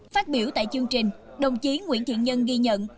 phát biểu tại chương trình đồng chí nguyễn thiện nhân ghi nhận